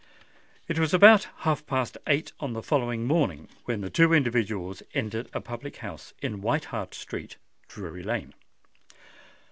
It was about half past eight on the following morning, when two individuals entered a public house in White Hart Street, Drury Lane.